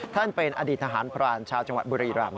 ท่านเป็นอดีตทหารพรานชาวจังหวัดบุรีรำ